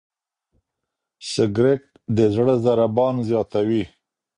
سګریټ د زړه ضربان زیاتوي.